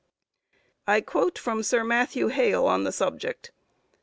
I quote from Sir Mathew Hale on the subject.